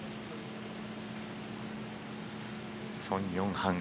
ソン・ヨンハン